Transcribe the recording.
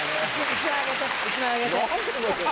１枚あげて１枚あげて。